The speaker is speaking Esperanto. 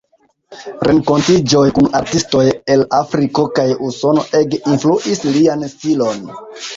Renkontiĝoj kun artistoj el Afriko kaj Usono ege influis lian stilon.